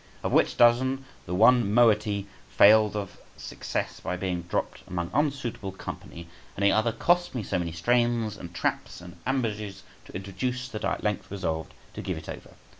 Of which dozen the one moiety failed of success by being dropped among unsuitable company, and the other cost me so many strains, and traps, and ambages to introduce, that I at length resolved to give it over.